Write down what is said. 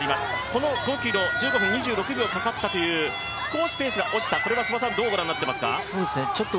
この５ｋｍ、１５分２６秒かかったという少しペースが落ちましたが、これはどうご覧になっていますか？